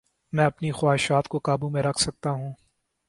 میں اپنی خواہشات کو قابو میں رکھ سکتا ہوں